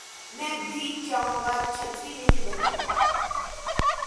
میں بھیگ جاؤں گا چھتری نہیں بناؤں گا